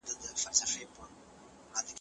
د نجات لوری یې ورک سو هري خواته